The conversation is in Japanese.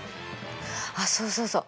あっそうそうそう。